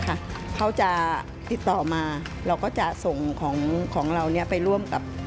เขาจะติดต่อมาแล้วก็จะส่งของเราไปร่วมกับ